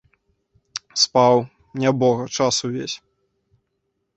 Спаў, нябога, час увесь.